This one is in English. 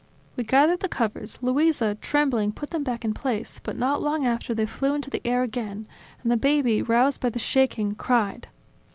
We gathered the covers; Luisa, trembling, put them back in place; but not long after they flew into the air again, and the baby, roused by the shaking, cried.